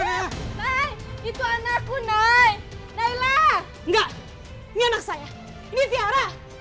nailah itu anak saya nailah